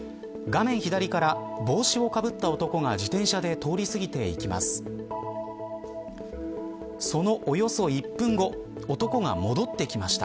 画面左から帽子をかぶった男が自転車で通り過ぎていきます。